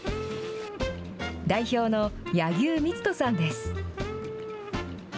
代表の柳生光人さんです。